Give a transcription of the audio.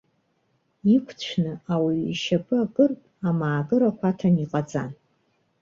Иқәцәны, ауаҩ ишьапы акыртә, амаакырақәа аҭан иҟаҵан.